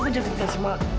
aku mau jadi pacar sama